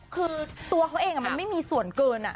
คือตัวเขาเองมันไม่มีส่วนเกิน